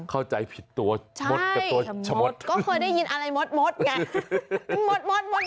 เข้าใจผิดตัวมดกับตัวชะมดก็เคยได้ยินอะไรมดไง